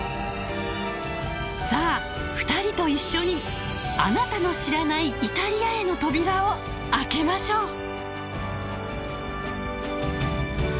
さあ２人と一緒にあなたの知らないイタリアへの扉を開けましょう！